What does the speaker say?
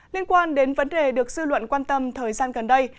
liên quan đến vấn đề được dư luận quan tâm thời gian gần đây